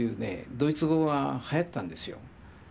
ドイツ語がはやったんですよ。